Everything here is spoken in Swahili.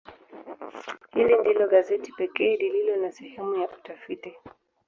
Hili ndilo gazeti pekee lililo na sehemu ya utafiti.